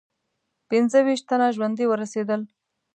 پنځه ویشت تنه ژوندي ورسېدل.